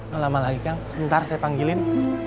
mau lama lagi kang sebentar saya panggilin